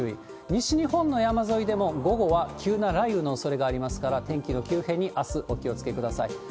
西日本の山沿いでも、午後は急な雷雨のおそれがありますから、天気の急変に、あす、お気をつけください。